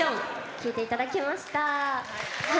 聴いていただきました。